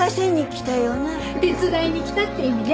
手伝いに来たって意味ね。